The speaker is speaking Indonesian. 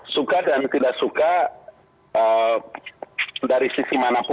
suka dan tidak suka dari sisi manapun